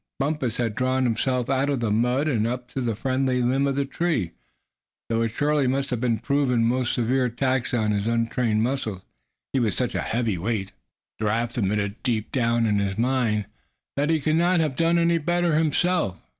Bumpus had drawn himself out of the mud, and up to the friendly limb of the tree; though it surely must have proven a most severe tax on his untrained muscles, he was such a heavy weight. Giraffe admitted, deep down in his mind, that he could not have done any better himself.